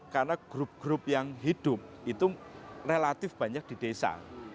karena grup grup yang hidup itu relatif banyak di desa